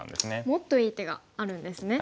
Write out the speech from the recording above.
もっといい手があるんですね。